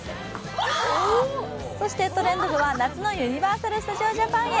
「トレンド部」は夏のユニバーサル・スタジオ・ジャパンへ。